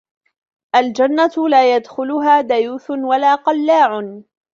الْجَنَّةُ لَا يَدْخُلُهَا دَيُّوثٌ وَلَا قَلَّاعٌ